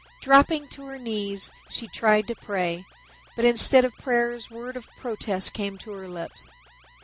Dropping to her knees, she tried to pray, but instead of prayers words of protest came to her lips.